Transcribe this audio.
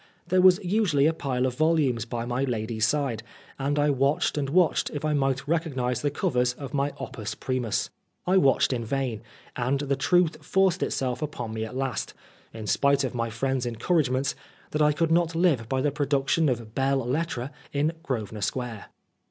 There was usually a pile of volumes by my lady's side, and I watched and watched if I might recog nise the covers of my opus primus. I watched in vain, and the truth forced itself upon me at last, in spite of my friend's en couragements, that I could not live by the pro duction of belles lettres in Grosvenor Square.